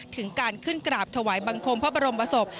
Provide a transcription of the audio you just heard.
ถึงการขึ้นกราบถวายบังคมพระบรมศพ